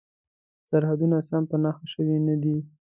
سرحدونه سم په نښه شوي نه دي.